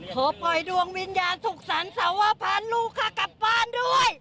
ขอปล่อยดวงวิญญาณสุขสรรสาวพาลูกค่ะกลับบ้านด้วย